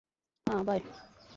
হ্যাঁ, বাই!